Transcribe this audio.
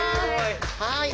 はい。